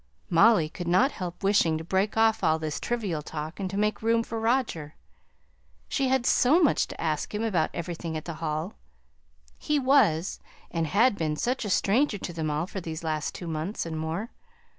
Molly could not help wishing to break off all this trivial talk and to make room for Roger: she had so much to ask him about everything at the Hall; he was, and had been such a stranger to them all for these last two months, and more.